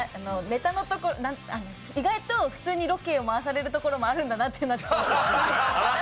ネタのところ、意外と普通にロケを回されるところもあるんだなと思って。